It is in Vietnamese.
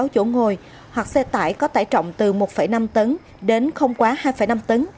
sáu chỗ ngồi hoặc xe tải có tải trọng từ một năm tấn đến không quá hai năm tấn